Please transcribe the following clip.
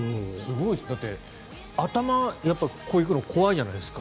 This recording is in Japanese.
だって、頭、こういくの怖いじゃないですか。